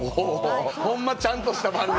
ホンマちゃんとした番組。